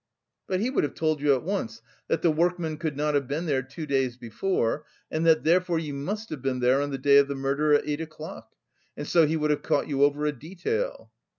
"But he would have told you at once that the workmen could not have been there two days before, and that therefore you must have been there on the day of the murder at eight o'clock. And so he would have caught you over a detail."